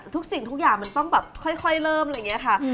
ทุกสิ่งทุกอย่างมันต้องแบบค่อยเริ่มอะไรอย่างนี้ค่ะ